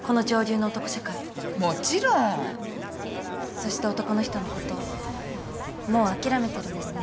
そして男の人のこともう諦めてるんですね？